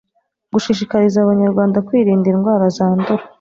gushishikariza abanyarwanda kwirinda indwara zandura